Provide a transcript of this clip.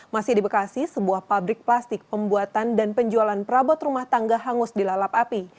masih di bekasi sebuah pabrik plastik pembuatan dan penjualan perabot rumah tangga hangus dilalap api